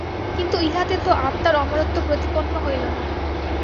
কিন্তু ইহাতে তো আত্মার অমরত্ব প্রতিপন্ন হইল না।